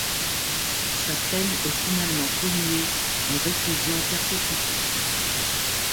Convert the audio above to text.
Sa peine est finalement commuée en réclusion à perpétuité.